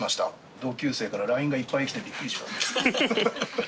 同級生からＬＩＮＥがいっぱい来てびっくりしました。